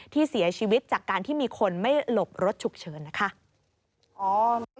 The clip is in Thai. ที่เสียชีวิตจากการที่มีคนไม่หลบรถฉุกเฉินนะคะ